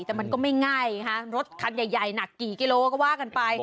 แต่มันก็ไม่ง่ายค่ะรถคันใหญ่หนักกี่กิโลก็ว่ากันไป